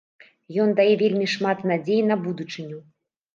Ён дае вельмі шмат надзей на будучыню.